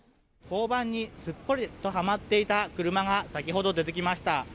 交番にすっぽりとはまっていた車が先ほど出てきました。